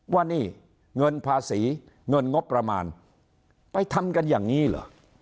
ว่านี่เงินภาษีเงินงบประมาณไปทำกันอย่างนี้เหรอ